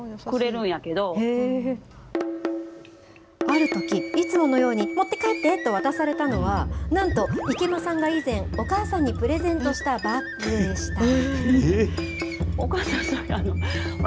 あるとき、いつものように持って帰ってと渡されたのは、なんと池間さんが以前、お母さんにプレゼントしたバッグでした。